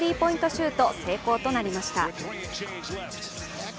シュート成功となりました。